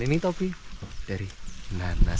ini topi dari nanas